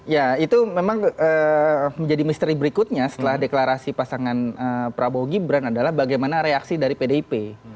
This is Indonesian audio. ya itu memang menjadi misteri berikutnya setelah deklarasi pasangan prabowo gibran adalah bagaimana reaksi dari pdip